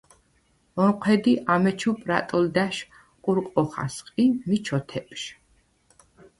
ონჴვედ ი ამეჩუ პრატჷლდა̈შ ყურყვ ოხა̈სყ ი მი ჩოთეპჟ.